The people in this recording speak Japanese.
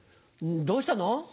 どうしたの？